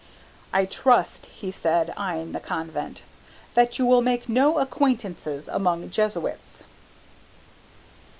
"I trust," he said, eyeing the Convent, "that you will make no acquaintances among Jesuits!"